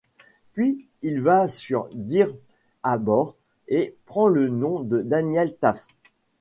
Puis, il va sur Deer Habor et prend le nom de Daniel Taft.